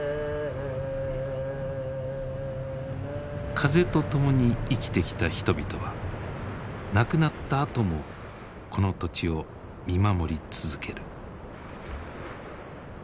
風と共に生きてきた人々は亡くなったあともこの土地を見守り続ける。